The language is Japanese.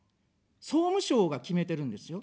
総務省が決めてるんですよ。